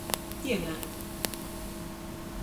Tiemēt.